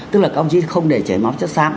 tức là các đồng chí không để chảy máu chất xác